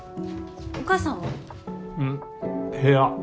お母さんは？ん部屋。